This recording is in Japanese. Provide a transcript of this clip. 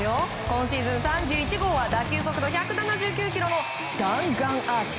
今シーズン３１号は打球速度１７９キロの弾丸アーチ！